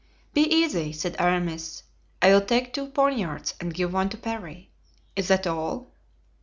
"Be easy," said Aramis; "I will take two poniards and give one to Parry. Is that all?"